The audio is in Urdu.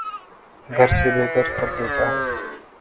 گھر سے بے گھر کر دیتا ہے